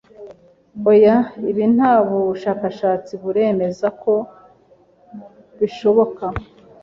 Oya, ibi nta bushakashatsi buremeza ko bishoboka